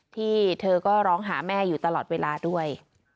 ที่เธอก็ร้องหาแม่อยู่ตลอดเวลาด้วย